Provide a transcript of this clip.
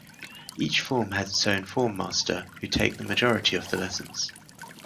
Each form has its own Form Master, who take the majority of the lessons.